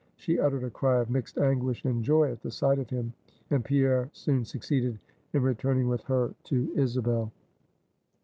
She uttered a cry of mixed anguish and joy at the sight of him; and Pierre soon succeeded in returning with her to Isabel.